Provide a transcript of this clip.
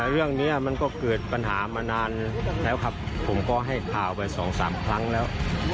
ตอนนี้เกิดแล้ว